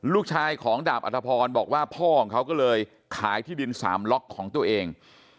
ลูกชายของดาบอัธพรบอกว่าพ่อของเขาก็เลยขายที่ดินสามล็อกของตัวเอง